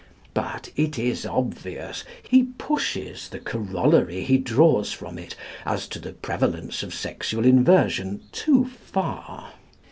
But, it is obvious, he pushes the corollary he draws from it, as to the prevalence of sexual inversion, too far.